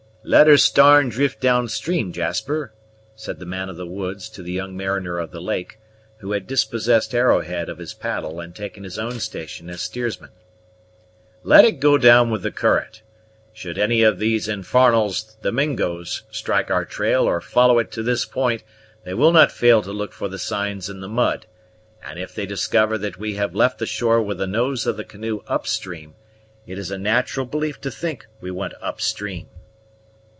"Let her starn drift down stream, Jasper," said the man of the woods to the young mariner of the lake, who had dispossessed Arrowhead of his paddle and taken his own station as steersman; "let it go down with the current. Should any of these infarnals, the Mingos, strike our trail, or follow it to this point they will not fail to look for the signs in the mud; and if they discover that we have left the shore with the nose of the canoe up stream, it is a natural belief to think we went up stream."